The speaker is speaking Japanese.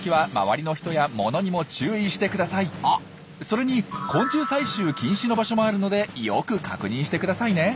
それに昆虫採集禁止の場所もあるのでよく確認してくださいね。